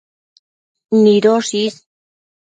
nidosh is